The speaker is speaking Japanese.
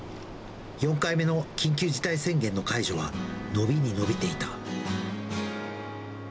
４回目の緊急事態宣言の解除は、延びに延びていた。